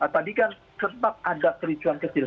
tadi kan sempat ada kericuan kecil